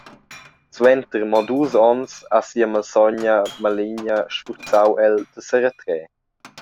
Suenter mo dus onns ha sia malsogna maligna sfurzau el da seretrer.